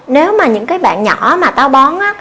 nếu mà những bạn nhỏ mà táo bón